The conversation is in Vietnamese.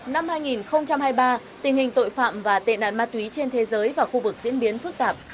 năm hai nghìn hai mươi ba tình hình tội phạm và tệ nạn ma túy trên thế giới và khu vực diễn biến phức tạp